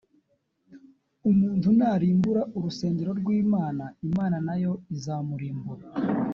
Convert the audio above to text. umuntu narimbura urusengero rw imana. imana na yo izamurimbura